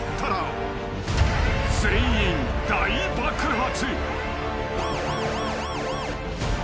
［全員大爆発］